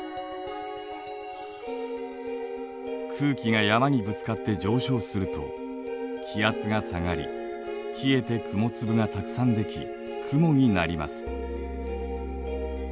空気が山にぶつかって上昇すると気圧が下がり冷えて雲粒がたくさんでき雲になります。